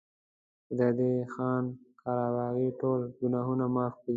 خدای دې خان قره باغي ټول ګناهونه معاف کړي.